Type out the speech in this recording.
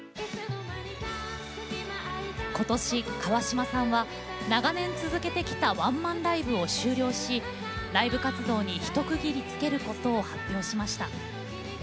今年、川嶋さんは長年続けてきたワンマンライブを終了しライブ活動に一区切りつけることを発表しました。